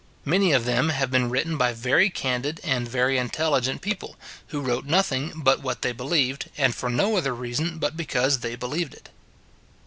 Many of them have been written by very candid and very intelligent people, who wrote nothing but what they believed, and for no other reason but because they believed it.